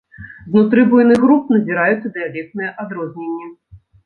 Знутры буйных груп назіраюцца дыялектныя адрозненні.